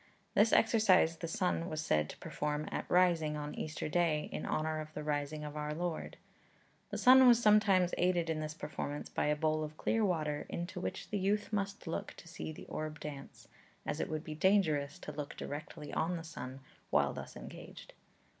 This exercise the sun was said to perform at rising on Easter Day, in honour of the rising of our Lord. The sun was sometimes aided in this performance by a bowl of clear water, into which the youth must look to see the orb dance, as it would be dangerous to look directly on the sun while thus engaged.